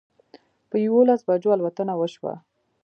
په یوولسو بجو الوتنه وشوه.